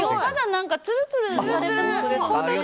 何かツルツルされてますもんね。